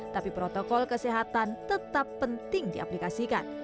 tapi protokol kesehatan tetap penting diaplikasikan